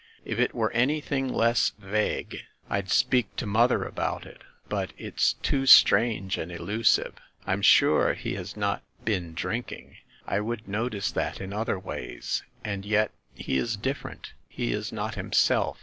"If it were anything less vague, 250 THE MASTER OF MYSTERIES I'd speak to mother about it; but it's too strange and elusive. I'm sure he has not been drinking; I would notice that in other ways. And yet he is different, he is not himself.